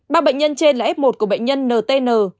ba bệnh nhân trên là f một của bệnh nhân ntn